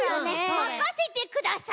まかせてください。